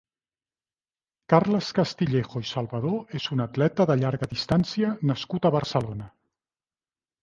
Carles Castillejo i Salvador és un atleta de llarga distància nascut a Barcelona.